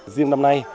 riêng năm nay